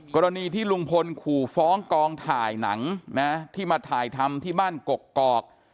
กรณีที่ลุงพลขู่ฟ้องกองถ่ายหนังนะที่มาถ่ายทำที่บ้านกกอก